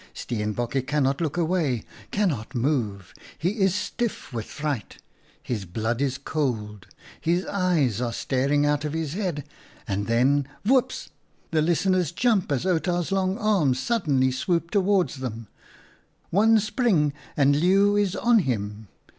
" Steenbokje can not look away, cannot move. He is stiff with fright. His blood is cold. His eyes are starting out of his head. And then — voops !"— the listeners jump as Outa's long arms suddenly swoop towards them — "one spring and Leeuw is on him.